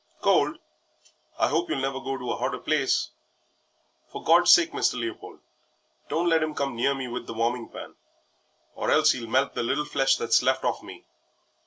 "Cold! I 'ope you'll never go to a 'otter place. For God's sake, Mr. Leopold, don't let him come near me with the warming pan, or else he'll melt the little flesh that's left off me."